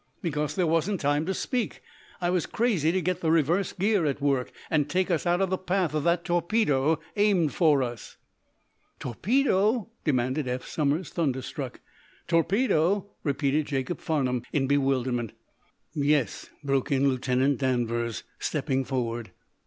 Because there wasn't time to speak. I was crazy to get the reverse gear at work, and take us out of the path of that torpedo aimed for us." "Torpedo?" demanded Eph Somers, thunderstruck. "Torpedo?" repeated Jacob Farnum, in bewilderment. "Yes," broke in Lieutenant Danvers, stepping forward.